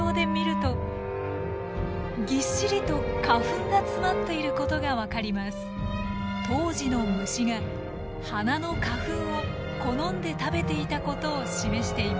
当時の虫が花の花粉を好んで食べていたことを示しています。